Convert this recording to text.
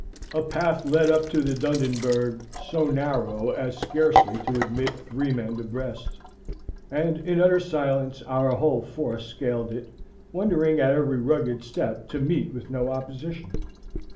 A path led up to the Dunderberg, so narrow as scarcely to admit three men abreast, and in utter silence our whole force scaled it, wondering at every rugged step to meet with no opposition.